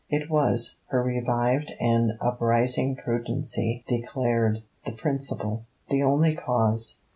It was, her revived and uprising pudency declared, the principal; the only cause.